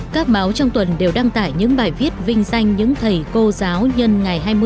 các máu trong tuần đều đăng tải những bài viết vinh danh những thầy cô giáo nhân ngày hai mươi